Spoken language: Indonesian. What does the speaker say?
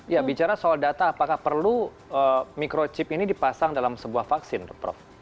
ya bicara soal data apakah perlu microchip ini dipasang dalam sebuah vaksin prof